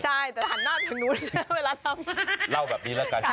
สัดหน้าจากโดยเวลาทำ